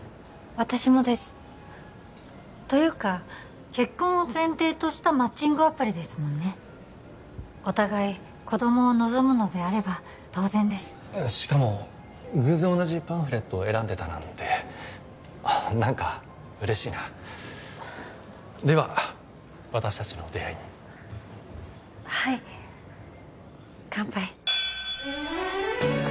私もですというか結婚を前提としたマッチングアプリですもんねお互い子供を望むのであれば当然ですしかも偶然同じパンフレットを選んでたなんて何か嬉しいなでは私達の出会いにはい乾杯